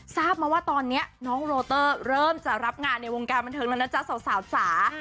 ทราบมาว่าตอนนี้น้องโรเตอร์เริ่มจะรับงานในวงการบันเทิงแล้วนะจ๊ะสาวจ๋า